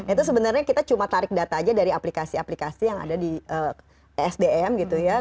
itu sebenarnya kita cuma tarik data aja dari aplikasi aplikasi yang ada di esdm gitu ya